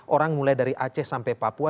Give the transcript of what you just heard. orang mulai dari aceh sampai papua